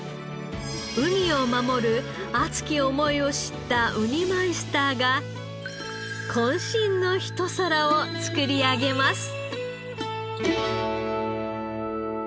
海を守る熱き思いを知ったウニマイスターが渾身のひと皿を作り上げます。